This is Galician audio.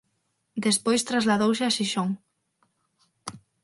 Despois trasladouse a Xixón.